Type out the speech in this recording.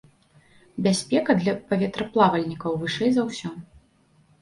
Бяспеку для паветраплавальнікаў вышэй за ўсё.